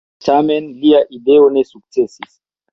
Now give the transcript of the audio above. Tamen lia ideo ne sukcesis.